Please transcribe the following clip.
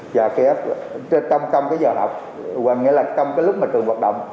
và trong giờ học hoặc nghĩa là trong lúc mà trường hoạt động